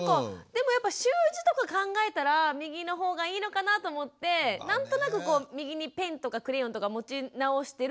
でもやっぱ習字とか考えたら右の方がいいのかなと思って何となく右にペンとかクレヨンとか持ち直してる自分はいますね。